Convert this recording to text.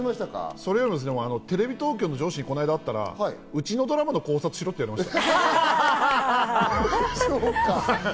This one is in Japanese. それよりテレビ東京の元上司にうちのドラマを考察しろって言われました。